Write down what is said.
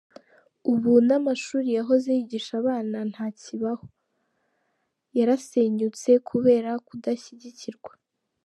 Ubu n’amashuri yahoze yigisha abana nta kibaho, yarasenyutse kubera kudashyigikirwa.